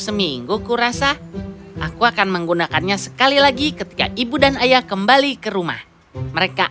seminggu kurasa aku akan menggunakannya sekali lagi ketika ibu dan ayah kembali ke rumah mereka